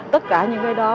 tất cả những cái đó